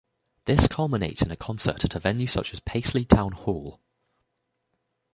This culminates in a concert at a venue such as Paisley Town Hall.